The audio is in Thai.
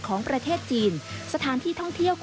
ของการท่องเที่ยว